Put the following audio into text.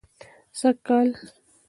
سږ کال